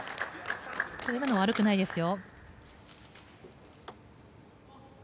今のは悪くないですよ。